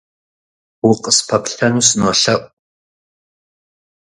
Укъыспэплъэну сынолъэӏу.